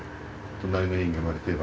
隣の家に生まれてれば。